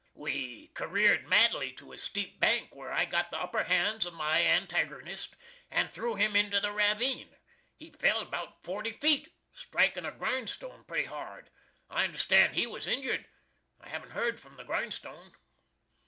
We careered madly to a steep bank, when I got the upper hands of my antaggernist and threw him into the raveen. He fell about forty feet, striking a grindstone pretty hard. I understood he was injured. I haven't heard from the grindstone.